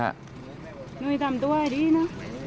หน่วยทำตัวดีนะ